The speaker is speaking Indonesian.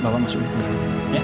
bawa masuk dulu ya